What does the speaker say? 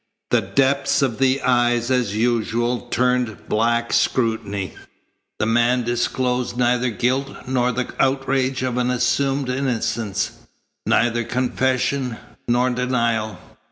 The depths of the eyes as usual turned back scrutiny. The man disclosed neither guilt nor the outrage of an assumed innocence; neither confession nor denial.